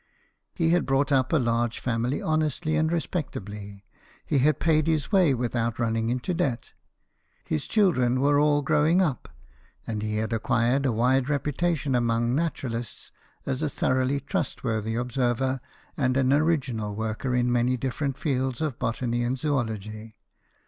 He had brought up a large family honestly and respectably ; he had paid his way without run ning into debt ; his children were all growing up ; and he had acquired a wide reputation amo ig naturalists as a thoroughly trustworthy observer and an original worker in many different fields of botany and zoology.